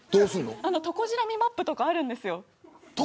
トコジラミマップとかあるんですよ。